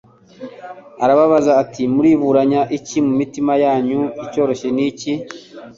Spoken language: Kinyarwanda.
Arababaza ati «Muriburanya iki mu mitima yanyu. Icyoroshye ni iki,